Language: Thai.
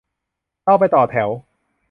ก็ไปต่อแถว